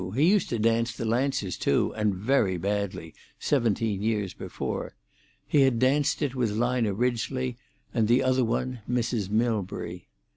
He used to dance the Lancers, too, and very badly, seventeen years before. He had danced it with Lina Ridgely and the other one, Mrs. Milbury.